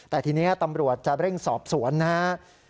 แต่ทีนี้ตำรวจจะเร่งสอบสวนนะครับ